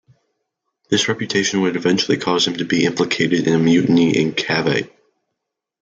This reputation would eventually cause him to be implicated in a mutiny in Cavite.